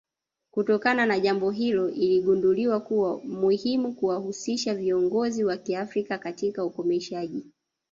Kutokana na jambo hilo iligunduliwa kuwa muhimu kuwahusisha viongozi wa Kiafrika katika ukomeshaji